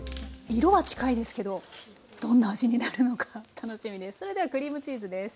色は近いですけどどんな味になるのか楽しみです。